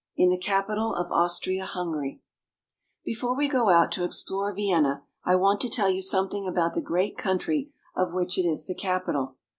IN THE CAPITAL OF AUSTRIA HUNGARY BEFORE we go out to explore Vienna I want to tell you something about the great country of which it is the capital.